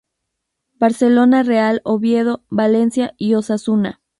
Barcelona, Real Oviedo, Valencia y Osasuna.